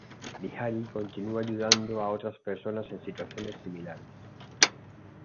Bihari continúa ayudando a otras personas en situaciones similares.